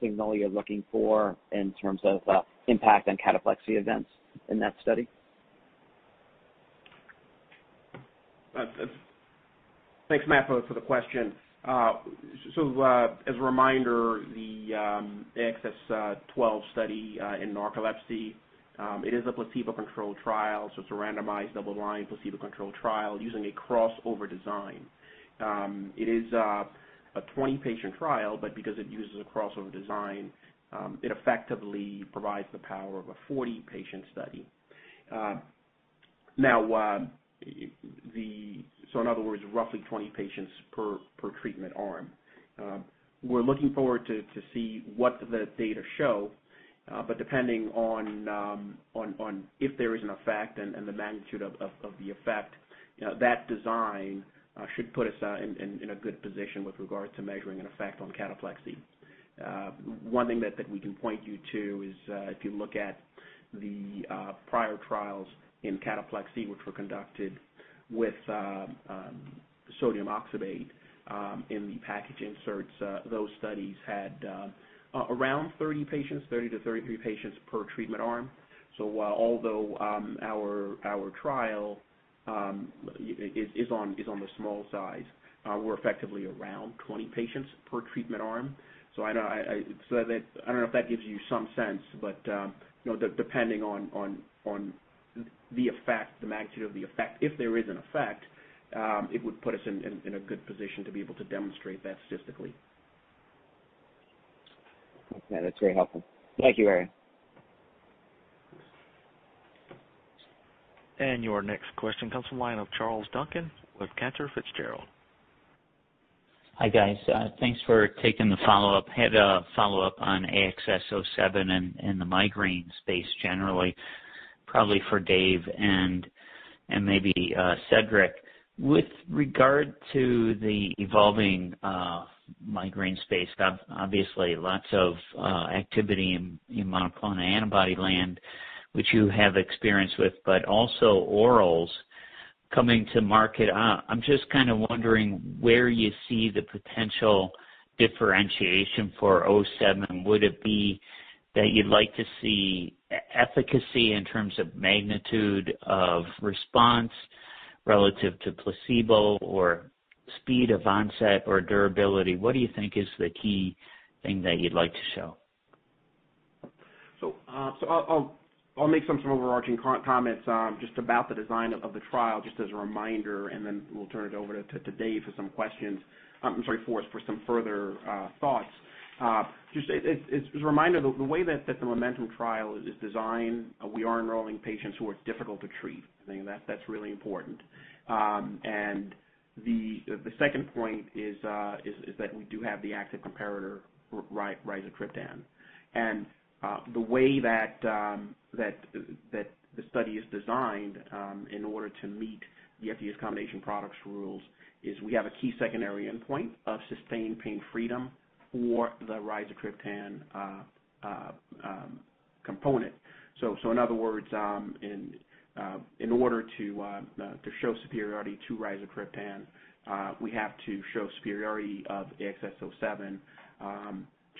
signal you're looking for in terms of impact on cataplexy events in that study? Thanks, Matt, for the question. As a reminder, the AXS-12 study in narcolepsy, it is a placebo-controlled trial. It's a randomized, double-blind, placebo-controlled trial using a crossover design. It is a 20-patient trial, but because it uses a crossover design, it effectively provides the power of a 40-patient study. In other words, roughly 20 patients per treatment arm. We're looking forward to see what the data show, but depending on if there is an effect and the magnitude of the effect, that design should put us in a good position with regard to measuring an effect on cataplexy. One thing that we can point you to is, if you look at the prior trials in cataplexy, which were conducted with sodium oxybate in the package inserts, those studies had around 30 patients, 30 to 33 patients per treatment arm. While although our trial is on the small size, we're effectively around 20 patients per treatment arm. I don't know if that gives you some sense, but depending on the magnitude of the effect, if there is an effect, it would put us in a good position to be able to demonstrate that statistically. Okay. That's very helpful. Thank you, Herriot. Your next question comes from the line of Charles Duncan with Cantor Fitzgerald. Hi, guys. Thanks for taking the follow-up. Had a follow-up on AXS-07 and the migraine space generally, probably for Dave and maybe Cedric. With regard to the evolving migraine space, obviously lots of activity in monoclonal antibody land, which you have experience with, but also orals coming to market. I'm just wondering where you see the potential differentiation for 07. Would it be that you'd like to see efficacy in terms of magnitude of response relative to placebo or speed of onset or durability? What do you think is the key thing that you'd like to show? I'll make some overarching comments just about the design of the trial, just as a reminder, and then we'll turn it over to Dave for some further thoughts. Just as a reminder, the way that the MOMENTUM trial is designed, we are enrolling patients who are difficult to treat. I think that's really important. The second point is that we do have the active comparator, rizatriptan. The way that the study is designed in order to meet the FDA's combination products rules is we have a key secondary endpoint of sustained pain freedom for the rizatriptan component. In other words, in order to show superiority to rizatriptan, we have to show superiority of AXS-07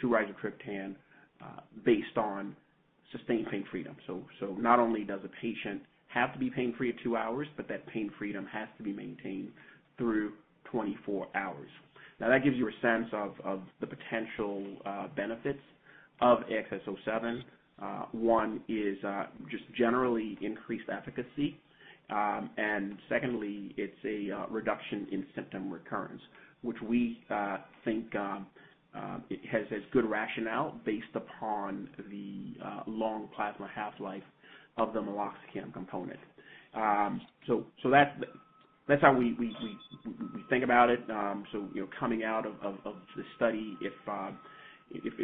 to rizatriptan based on sustained pain freedom. Not only does a patient have to be pain-free at two hours, but that pain freedom has to be maintained through 24 hours. That gives you a sense of the potential benefits of AXS-07. One is just generally increased efficacy. Secondly, it's a reduction in symptom recurrence, which we think has good rationale based upon the long plasma half-life of the meloxicam component. That's how we think about it. Coming out of this study, if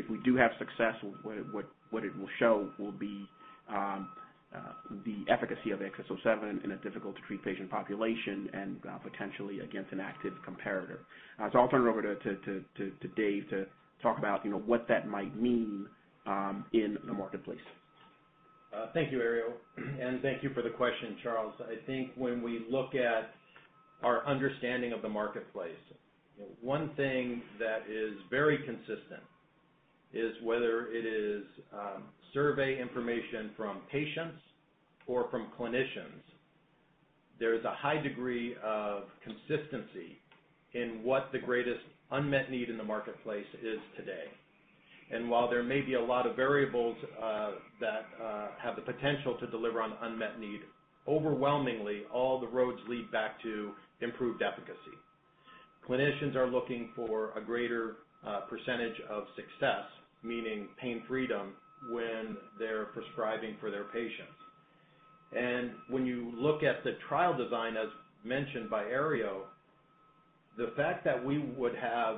we do have success, what it will show will be the efficacy of AXS-07 in a difficult-to-treat patient population and potentially against an active comparator. I'll turn it over to Dave Marek to talk about what that might mean in the marketplace. Thank you, Herriot. Thank you for the question, Charles. I think when we look at our understanding of the marketplace, one thing that is very consistent is whether it is survey information from patients or from clinicians. There is a high degree of consistency in what the greatest unmet need in the marketplace is today. While there may be a lot of variables that have the potential to deliver on unmet need, overwhelmingly, all the roads lead back to improved efficacy. Clinicians are looking for a greater % of success, meaning pain freedom, when they're prescribing for their patients. When you look at the trial design, as mentioned by Herriot, the fact that we would have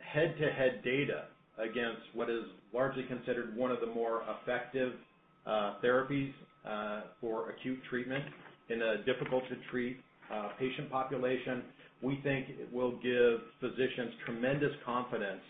head-to-head data against what is largely considered one of the more effective therapies for acute treatment in a difficult-to-treat patient population, we think will give physicians tremendous confidence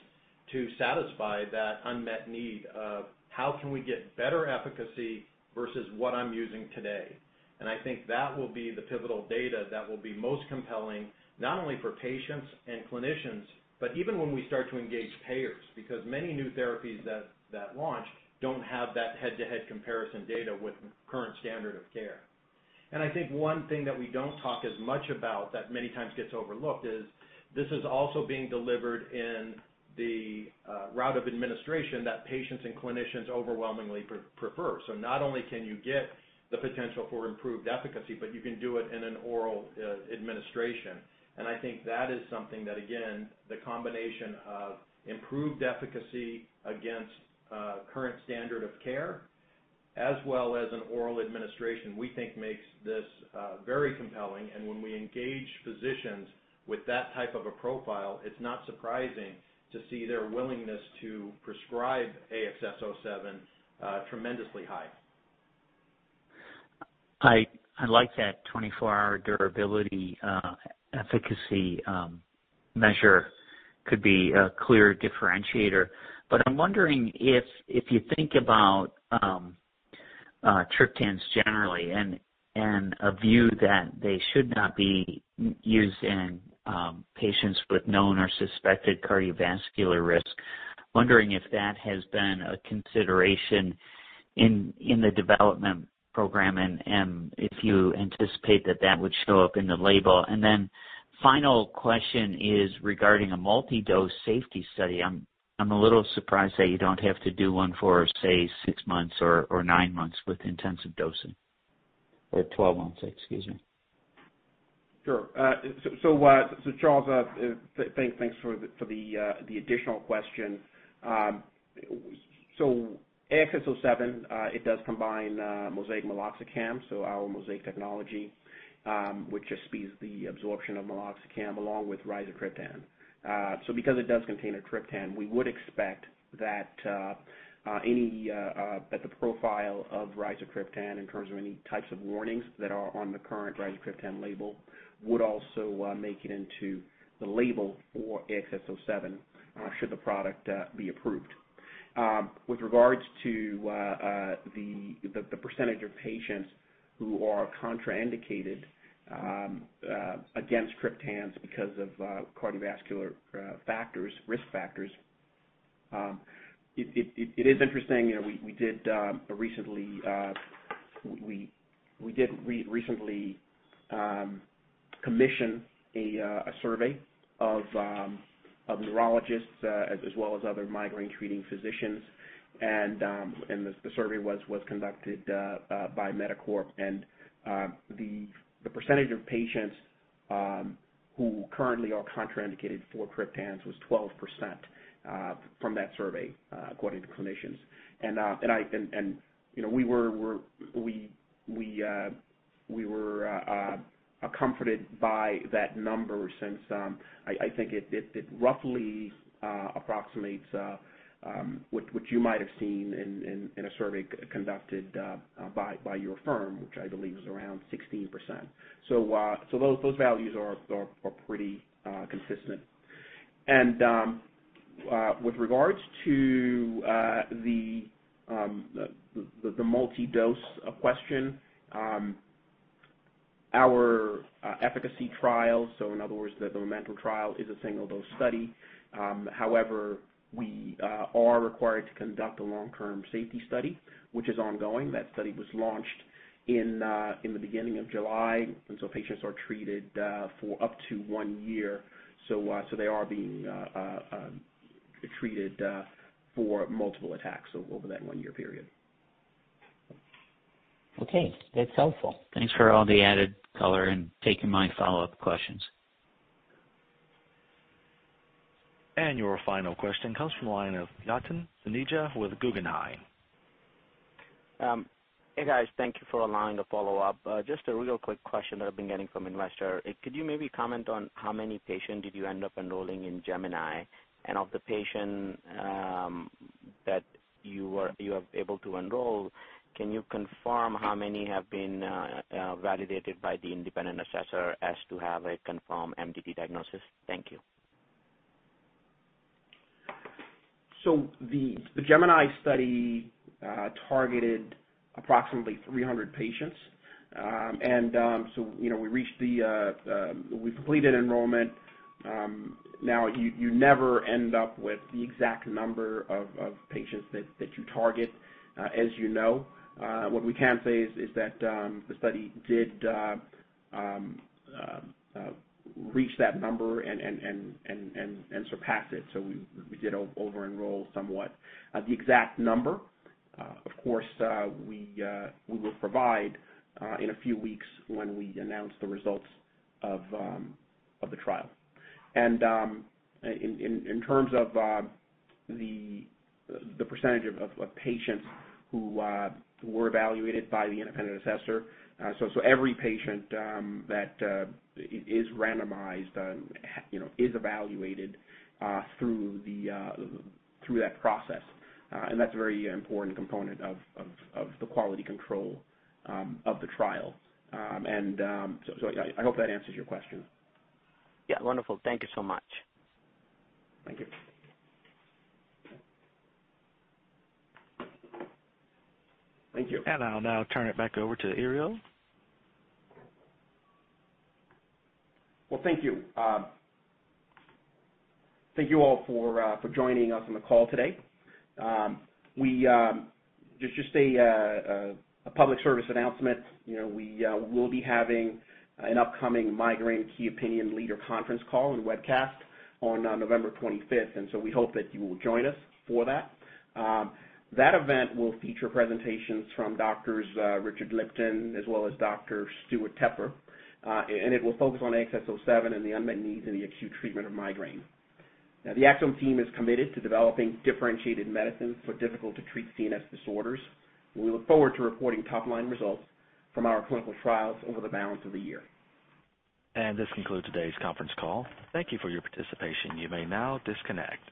to satisfy that unmet need of how can we get better efficacy versus what I'm using today. I think that will be the pivotal data that will be most compelling, not only for patients and clinicians, but even when we start to engage payers. Because many new therapies that launch don't have that head-to-head comparison data with current standard of care. I think one thing that we don't talk as much about that many times gets overlooked is this is also being delivered in the route of administration that patients and clinicians overwhelmingly prefer. Not only can you get the potential for improved efficacy, but you can do it in an oral administration. I think that is something that, again, the combination of improved efficacy against current standard of care, as well as an oral administration, we think makes this very compelling. When we engage physicians with that type of a profile, it's not surprising to see their willingness to prescribe AXS-07 tremendously high. I like that 24-hour durability efficacy measure could be a clear differentiator. I'm wondering if you think about triptans generally and a view that they should not be used in patients with known or suspected cardiovascular risk, wondering if that has been a consideration in the development program and if you anticipate that that would show up in the label. Final question is regarding a multi-dose safety study. I'm a little surprised that you don't have to do one for, say, six months or nine months with intensive dosing. 12 months, excuse me. Sure. Charles, thanks for the additional question. AXS-07, it does combine MoSEIC meloxicam, so our MoSEIC technology, which just speeds the absorption of meloxicam along with rizatriptan. Because it does contain a triptan, we would expect that the profile of rizatriptan in terms of any types of warnings that are on the current rizatriptan label would also make it into the label for AXS-07 should the product be approved. With regards to the percentage of patients who are contraindicated against triptans because of cardiovascular risk factors, it is interesting. We did recently commission a survey of neurologists, as well as other migraine treating physicians. The survey was conducted by Medicorp. The percentage of patients who currently are contraindicated for triptans was 12% from that survey, according to clinicians. We were comforted by that number since I think it roughly approximates what you might have seen in a survey conducted by your firm, which I believe is around 16%. Those values are pretty consistent. With regards to the multi-dose question, our efficacy trial, so in other words, the MOMENTUM trial is a single-dose study. However, we are required to conduct a long-term safety study, which is ongoing. That study was launched in the beginning of July, patients are treated for up to one year. They are being treated for multiple attacks over that one year period. Okay. That's helpful. Thanks for all the added color and taking my follow-up questions. Your final question comes from the line of Yatin Suneja with Guggenheim. Hey, guys. Thank you for allowing the follow-up. Just a real quick question that I've been getting from investors. Could you maybe comment on how many patients did you end up enrolling in GEMINI? Of the patients that you were able to enroll, can you confirm how many have been validated by the independent assessor as to have a confirmed MDD diagnosis? Thank you. The GEMINI study targeted approximately 300 patients. We completed enrollment. You never end up with the exact number of patients that you target, as you know. What we can say is that the study did reach that number and surpass it, so we did over enroll somewhat. The exact number, of course, we will provide in a few weeks when we announce the results of the trial. In terms of the percentage of patients who were evaluated by the independent assessor. Every patient that is randomized, is evaluated through that process. That's a very important component of the quality control of the trial. I hope that answers your question. Yeah. Wonderful. Thank you so much. Thank you. Thank you. I'll now turn it back over to Herriot. Well, thank you. Thank you all for joining us on the call today. Just a public service announcement. We will be having an upcoming migraine key opinion leader conference call and webcast on November 25th. We hope that you will join us for that. That event will feature presentations from Doctors Richard Lipton as well as Dr. Stewart Tepper. It will focus on AXS-07 and the unmet needs in the acute treatment of migraine. Now the Axsome team is committed to developing differentiated medicines for difficult-to-treat CNS disorders. We look forward to reporting top-line results from our clinical trials over the balance of the year. This concludes today's conference call. Thank you for your participation. You may now disconnect.